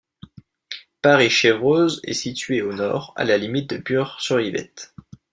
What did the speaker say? Paris-Chevreuse est situé au nord, à la limite de Bures-sur-Yvette.